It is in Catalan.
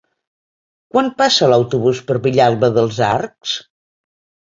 Quan passa l'autobús per Vilalba dels Arcs?